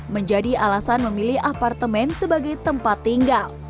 menjadi alasan memilih apartemen sebagai tempat tinggal